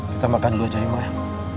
kita makan dulu aja imah